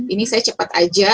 ini saya cepat saja